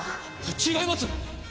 違います！